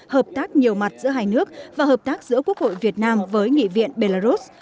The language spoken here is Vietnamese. hợp tác nhiều mặt giữa hai nước và hợp tác giữa quốc hội việt nam với nghị viện belarus